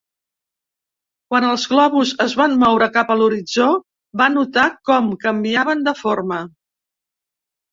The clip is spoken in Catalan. Quan els globus es van moure cap a l'horitzó, va notar com canviaven de forma.